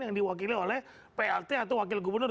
yang diwakili oleh plt atau wakil gubernur